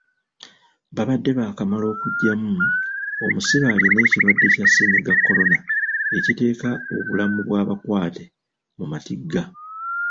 Babadde baakamala okuggyamu omusibe alina ekirwadde kya Ssennyiga korona, ekiteeka obulamu bw'abakwate mu matigga.